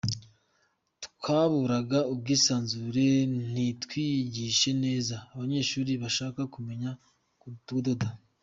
Twaburaga ubwisanzure ntitwigishe neza abanyeshuri bashaka kumenya kudoda.